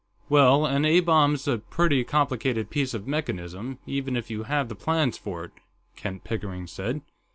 "Well, an A bomb's a pretty complicated piece of mechanism, even if you have the plans for it," Kent Pickering said.